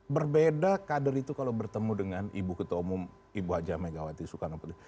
berbeda kader itu kalau bertemu dengan ibu ketua umum ibu haja megawati sukarno petri